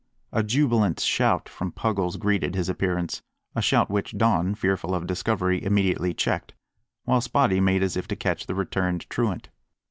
A jubilant shout from Puggles greeted his appearance a shout which Don, fearful of discovery, immediately checked while Spottie made as if to catch the returned truant.